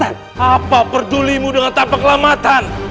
apa perjulimu dengan tapak alamat